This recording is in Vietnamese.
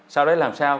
sau đấy làm sao